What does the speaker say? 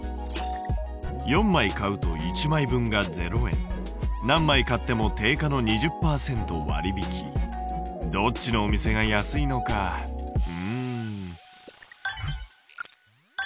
４枚買うと１枚分が０円何枚買っても定価の２０％割引どっちのお店が安いのかうん。